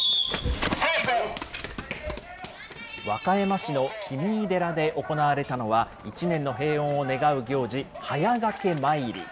和歌山市の紀三井寺で行われたのは、一年の平穏を願う行事、速駈詣り。